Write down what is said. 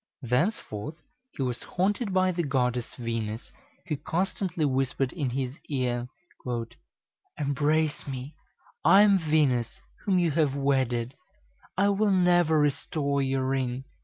Thenceforth he was haunted by the Goddess Venus, who constantly whispered in his ear, "Embrace me; I am Venus, whom you have wedded; I will never restore your ring."